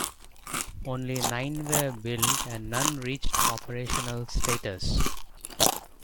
Only nine were built and none reached operational status.